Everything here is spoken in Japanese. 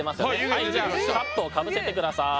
はいじゃあカップをかぶせてください。